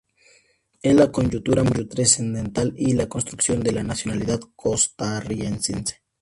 Es la coyuntura más trascendental en la construcción de la nacionalidad costarricense.